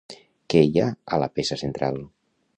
Què hi ha a la peça central?